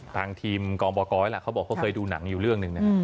ทางทีมกองบอกว่าเขาเคยดูหนังอยู่เรื่องนึง